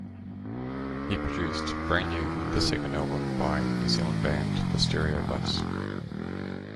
He produced, 'Brand New', the second album by New Zealand band The Stereo Bus.